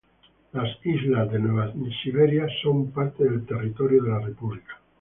Las islas de Nueva Siberia son parte del territorio de la república.